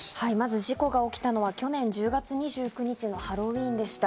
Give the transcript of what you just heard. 事故が起きたのは去年１０月２９日のハロウィーンでした。